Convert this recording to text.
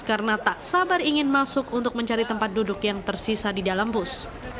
karena tak sabar ingin masuk untuk mencari tempat duduk yang tersisa di dalam bus